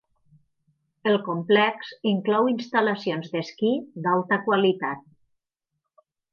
El complex inclou instal·lacions d'esquí d'alta qualitat.